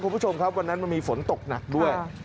คุณผู้ชมครับวันนั้นมันมีฝนตกหนักด้วย